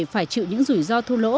phải chịu những rủi ro thu lỗ